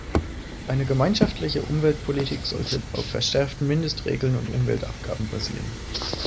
Eine gemeinschaftliche Umweltpolitik sollte auf verschärften Mindestregeln und Umweltabgaben basieren.